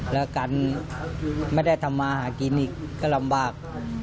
แล้วกันไม่ได้ทำมาหากินอีกก็ลำบาก